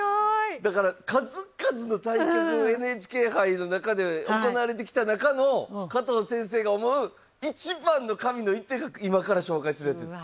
だから数々の対局ＮＨＫ杯の中で行われてきた中の加藤先生が思う一番の神の一手が今から紹介するやつです。